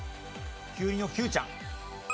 きゅうりのキューちゃん。